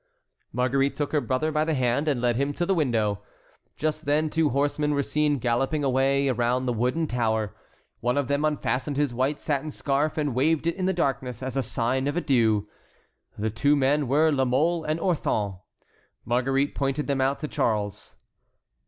Marguerite took her brother by the hand and led him to the window. Just then two horsemen were seen galloping away, around the wooden tower. One of them unfastened his white satin scarf and waved it in the darkness, as a sign of adieu. The two men were La Mole and Orthon. Marguerite pointed them out to Charles.